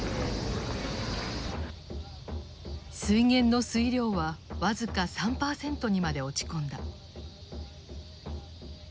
水源の水量は僅か３％にまで落ち込んだ。